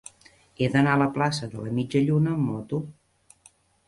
He d'anar a la plaça de la Mitja Lluna amb moto.